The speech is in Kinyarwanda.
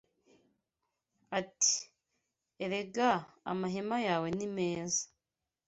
Ati “Erega amahema yawe ni meza